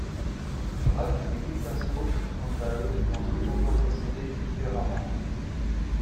Braque et Picasso, quant à eux, vont cependant procéder différemment.